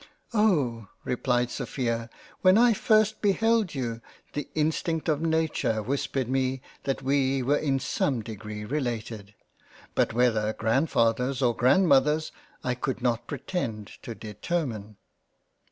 " Oh ! replied Sophia, when I first beheld you the in stinct of Nature whispered me that we were in some degree related — But whether Grandfathers, or Grandmothers, I could not pretend to determine."